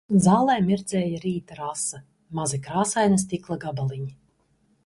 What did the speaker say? Zālē mirdzēja rīta rasa, mazi krāsaini stikla gabaliņi.